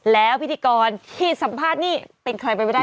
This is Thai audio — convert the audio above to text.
แล้วพิธีกรที่สัมภาษณ์นี้เป็นใครไม่ได้นอกจาก